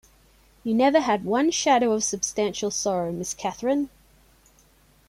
You never had one shadow of substantial sorrow, Miss Catherine.